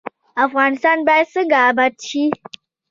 افغانستان باید څنګه اباد شي؟